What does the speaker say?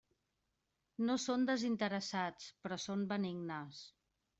No són desinteressats, però són benignes.